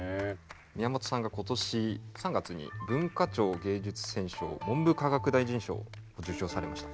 宮本さんが今年３月に文化庁芸術選奨文部科学大臣賞を受賞されました。